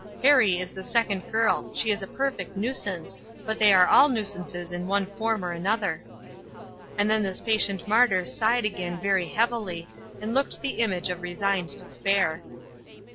Harrie is the second girl ; she is a perfect nuisance ; but they are all nuisances in one form or other." And then this patient martyr sighed again very heavily, and looked the image of resigned despair.